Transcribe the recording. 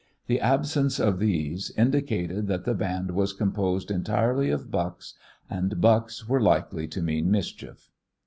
The absence of these indicated that the band was composed entirely of bucks, and bucks were likely to mean mischief.